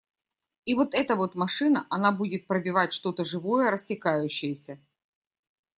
И вот эта вот машина, она будет пробивать что-то живое, растекающееся.